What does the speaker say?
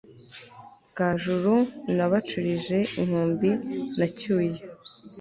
bwa Juru nabaculije inkumbi nacyuye